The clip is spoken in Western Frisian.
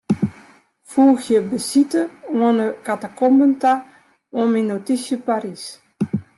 Foegje besite oan 'e katakomben ta oan myn notysje Parys.